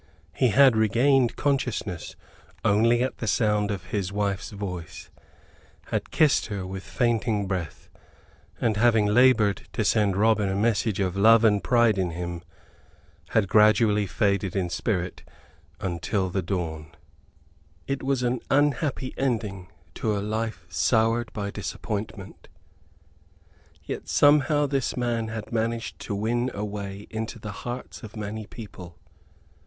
He had regained consciousness only at the sound of his wife's voice; had kissed her with fainting breath; and, having labored to send Robin a message of love and pride in him, had gradually faded in spirit until the dawn. It was an unhappy ending to a life soured by disappointment; yet somehow this man had managed to win a way into the hearts of many people.